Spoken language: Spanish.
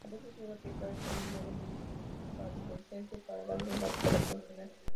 A veces suele aplicarse un hierro incandescente para darle la decoración final.